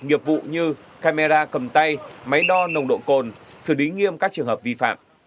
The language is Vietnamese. nghiệp vụ như camera cầm tay máy đo nồng độ cồn xử lý nghiêm các trường hợp